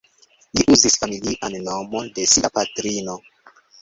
Li uzis familian nomon de sia patrino.